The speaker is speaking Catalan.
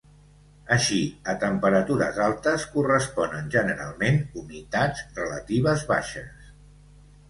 Així a temperatures altes corresponen generalment humitats relatives baixes.